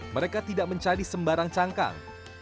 mereka tidak mencari sembarang cangkang